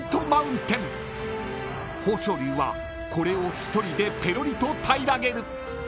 ［豊昇龍はこれを１人でペロリと平らげる］